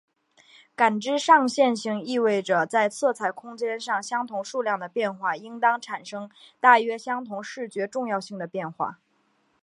感知上线性意味着在色彩空间上相同数量的变化应当产生大约相同视觉重要性的变化。